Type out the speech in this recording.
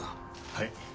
はい。